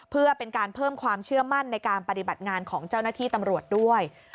เพื่อเป็นการเพิ่มความเชื่อมั่นในการปฏิบัติงานของเจ้าหน้าที่ตำรวจด้วย